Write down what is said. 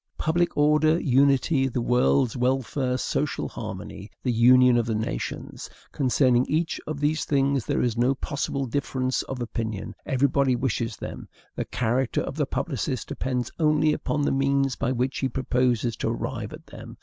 Public order, unity, the world's welfare, social harmony, the union of the nations, concerning each of these things there is no possible difference of opinion. Everybody wishes them; the character of the publicist depends only upon the means by which he proposes to arrive at them.